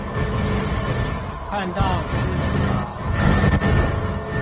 看到獅子王